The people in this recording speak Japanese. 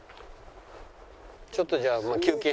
ちょっとじゃあ。